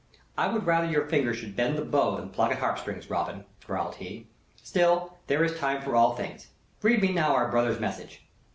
"I would rather your fingers should bend the bow than pluck at harp strings, Robin," growled he. "Still, there is time for all things. Read me now our brother's message."